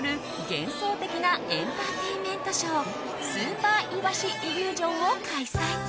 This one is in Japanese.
幻想的なエンターテインメントショースーパーイワシイリュージョンを開催。